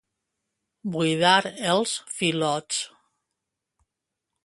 Buidar els filots.